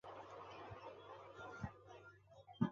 Kamci coğrafya de kamci zon aferiyo?